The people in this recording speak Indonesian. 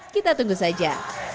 kita tunggu saja